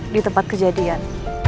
di tempat kejadian